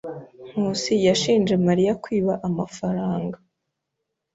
Nkusi yashinje Mariya kwiba amafaranga.